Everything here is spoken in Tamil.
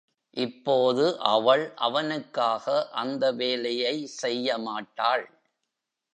இப்போது அவள் அவனுக்காக அந்த வேலையை செய்ய மாட்டாள்.